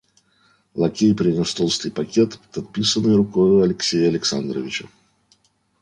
Лакей принес толстый пакет, надписанный рукою Алексея Александровича.